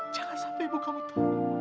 jangan sampai ibu kamu tuh